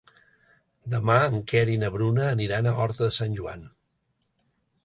Demà en Quer i na Bruna aniran a Horta de Sant Joan.